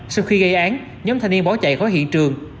sau khi gây án nhóm thanh niên bỏ chạy khỏi hiện trường